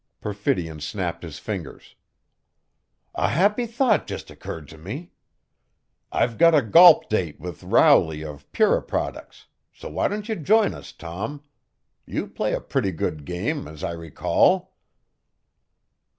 Perfidion snapped his fingers. "A happy thought just occurred to me! I've got a golp date with Rowley of Puriproducts, so why don't you join us, Tom? You play a pretty good game, as I recall."